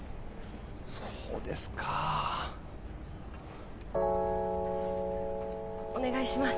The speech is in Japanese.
そうですかお願いします